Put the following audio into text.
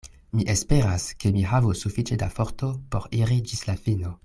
Mi esperas, ke mi havos sufiĉe da forto por iri ĝis la fino.